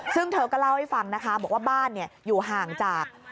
ซึ่งเธอก็เล่าให้ฟังนะคะบอกว่าบ้านอยู่ห่างจาก